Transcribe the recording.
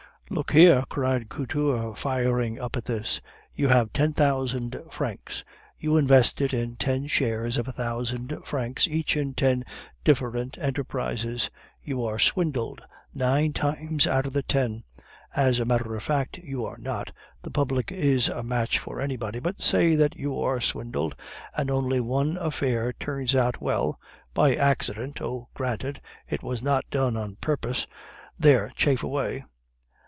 "Look here!" cried Couture, firing up at this. "You have ten thousand francs. You invest it in ten shares of a thousand francs each in ten different enterprises. You are swindled nine times out of the ten as a matter of fact you are not, the public is a match for anybody, but say that you are swindled, and only one affair turns out well (by accident! oh, granted! it was not done on purpose there, chaff away!).